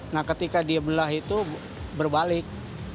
nah ketika dia belah itu berbalik